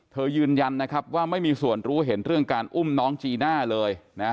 ยืนยันนะครับว่าไม่มีส่วนรู้เห็นเรื่องการอุ้มน้องจีน่าเลยนะ